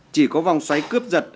chỉ có vòng xoáy cướp giật